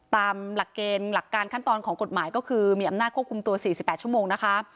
ตามหลักเกณฑ์หลักการขั้นตอนของกฎหมายก็คือมีอำนาจควบคุมตัว๔๘ชั่วโมงนะคะ